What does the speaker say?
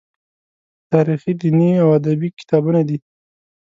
تاریخي، دیني او ادبي کتابونه دي.